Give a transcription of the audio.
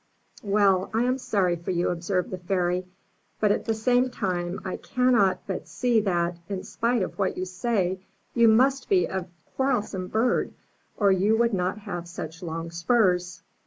"Well, I am sorry for you," observed the Fairy; "but at the same time I cannot but see that, in spite of what you say, you must be a quarrelsome bird, or you would not have such long spurs."